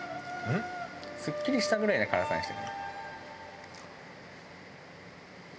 すっきりしたぐらいの辛さにして。